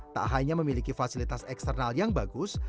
tak hanya memiliki fasilitas eksternal yang bagus